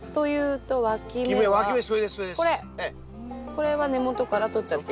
これは根元からとっちゃっていい？